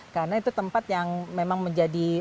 karena itu tempat yang memang menjadi